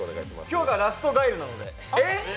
今日がラストガイルなので。